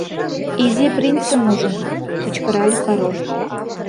— Изи принцым ужын, кычкырале король.